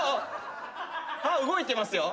歯動いてますよ。